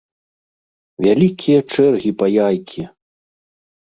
Вялікія чэргі па яйкі!